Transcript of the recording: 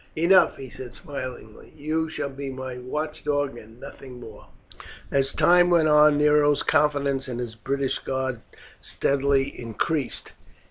"Enough," he said smiling, "you shall be my watchdog and nothing more." As time went on Nero's confidence in his British guard steadily increased.